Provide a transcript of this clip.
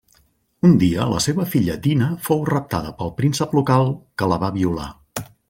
Un dia la seva filla Dina fou raptada pel príncep local, que la va violar.